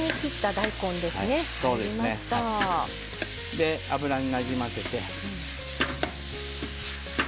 で油になじませて。